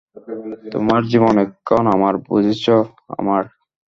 তোমার জীবন এখন আমার, বুঝেছ আমার?